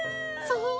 そう？